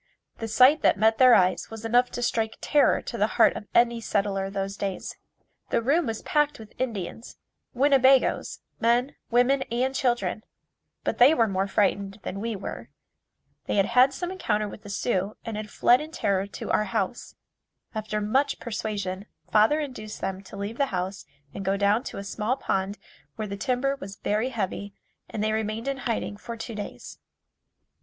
The sight that met their eyes was enough to strike terror to the heart of any settler of those days. The room was packed with Indians Winnebagoes men, women and children, but they were more frightened than we were. They had had some encounter with the Sioux and had fled in terror to our house. After much persuasion, father induced them to leave the house and go down to a small pond where the timber was very heavy and they remained in hiding for two days.